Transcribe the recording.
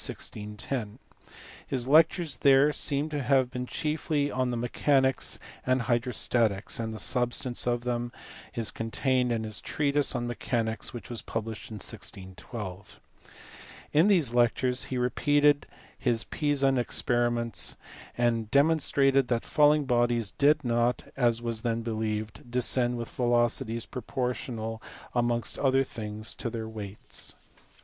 His lectures there seem to have been chiefly on mechanics and hydrostatics, and the substance of them is contained in his treatise on mechanics which was published in 1612. In these lectures he repeated his Pisan experiments, and demonstrated that falling bodies did not (as was then believed) descend with velocities proportional amongst other things to their weights.